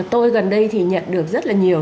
tôi gần đây thì nhận được rất là nhiều